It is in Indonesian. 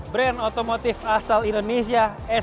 brand otomotif asal inggris ini